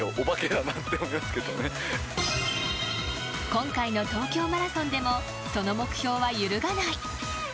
今回の東京マラソンでもその目標は揺るがない。